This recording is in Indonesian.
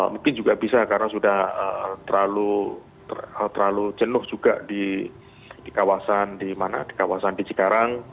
mungkin juga bisa karena sudah terlalu jenuh juga di kawasan di cikarang